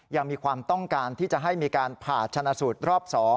ยังมีความต้องการที่จะให้มีการผ่าชนะสูตรรอบ๒